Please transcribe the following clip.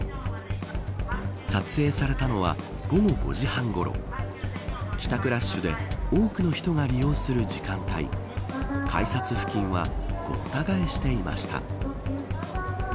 撮影されたのは午後５時半ごろ帰宅ラッシュで多くの人が利用する時間帯改札付近はごった返していました。